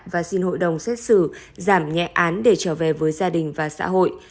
và xin hội đồng xét xử giảm nhẹ án để trở về với gia đình và xã hội